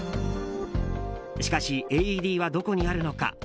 しかし、ＡＥＤはどこにあるのか。